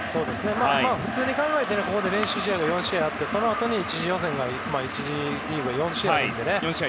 普通に考えてここで練習試合を４試合あってそのあとに１次リーグ４試合あるので。